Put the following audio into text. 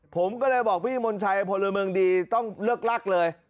ผมก็เลยบอกพี่มนชัยพลเมืองดีต้องเลิกลักเลย